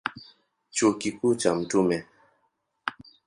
Chuo Kikuu cha Mt.